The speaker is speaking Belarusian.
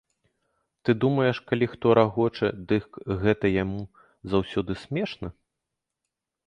Ты думаеш, калі хто рагоча, дык гэта яму заўсёды смешна?!